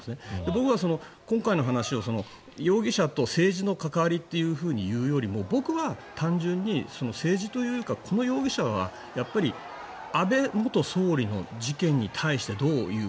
僕は今回の話を容疑者と政治の関わりっていうふうに言うよりも僕は単純に政治というかこの容疑者はやっぱり安倍元総理の事件に対してどういう。